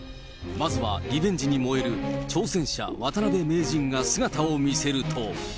まずはリベンジに燃える挑戦者、渡辺名人が姿を見せると。